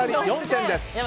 ４点です。